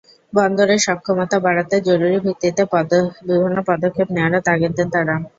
বন্দরের সক্ষমতা বাড়াতে জরুরি ভিত্তিতে বিভিন্ন পদক্ষেপ নেওয়ারও তাগিদ দেন তাঁরা।